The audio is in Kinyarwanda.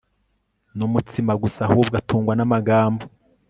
numutsima gusa ahubwo atungwa namagambo